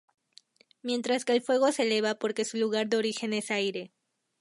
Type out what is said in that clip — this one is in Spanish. Mientras que el fuego se eleva porque su lugar de origen es aire.